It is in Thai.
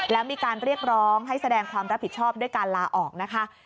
แล้วมีการเรียกร้องให้แสดงความรับผิดชอบด้วยการลาออกนะคะ